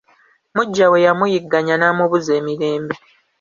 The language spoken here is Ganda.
Muggya we yamuyigganya n'amubuza emirembe.